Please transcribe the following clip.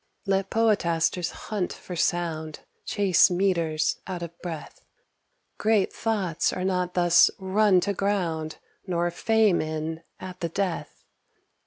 Let poetasters hunt for sound, Chase metres, out of breath; Great thoughts are not thus run to ground, Nor fame in at the death.